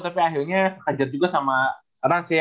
tapi akhirnya terhajar juga sama ranz ya